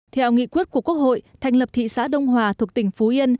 theo nghị quyết của quốc hội thành lập thị xã đông hòa thuộc tỉnh phú yên